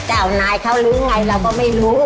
จะเอานายเข่าหรือไงเราก็ไม่รู้